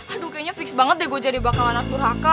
aduh kayaknya fix banget deh gue jadi bakalan nak burhaka